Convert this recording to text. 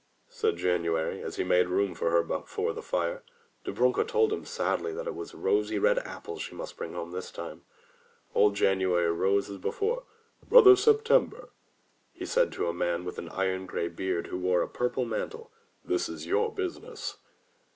said January, as he made room for her before the fire. Dobrunka told him sadly it was rosy red apples she must bring home this time. Old January rose as before. "Brother September," said he to a man with an iron gray beard who wore a purple mantle, "this is your business."